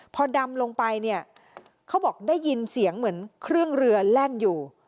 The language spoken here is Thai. พอดำลงไปเนี่ยเขาบอกได้ยินเสียงเหมือนเครื่องเรือแล่นอยู่